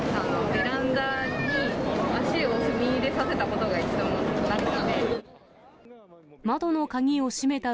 ベランダに足を踏み入れさせたことが一度もなくて。